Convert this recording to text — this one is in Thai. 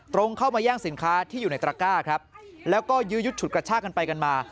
ตรงเข้ามาย่างสินค้าที่อยู่ในตระก้าครับแล้วก็ยื้อยุดฉุดกระชากันไปกันมา